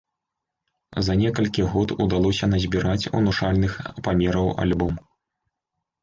За некалькі год удалося назбіраць унушальных памераў альбом.